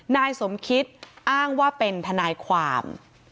นายสมคิดอ้างว่าเป็นทนายความ